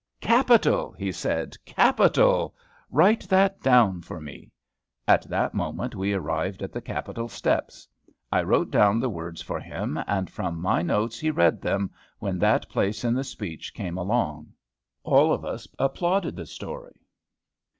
'" "Capital!" he said, "capital! write that down for me." At that moment we arrived at the Capitol steps. I wrote down the words for him, and from my notes he read them, when that place in the speech came along. All of us applauded the story.